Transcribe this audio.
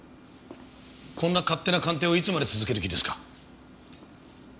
こんな勝手な鑑定をいつまで続ける気ですか？